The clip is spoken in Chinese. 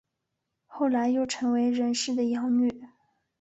后来又成为任氏的养女。